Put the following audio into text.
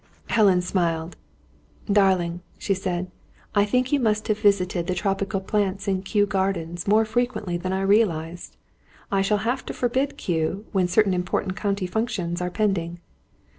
Helen smiled. "Darling," she said, "I think you must have visited the tropical plants in Kew Gardens more frequently than I realised! I shall have to forbid Kew, when certain important County functions are pending."